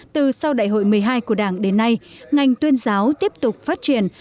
từ sau đại hội một mươi hai của đảng đến nay ngành tuyên giáo tiếp tục phát triển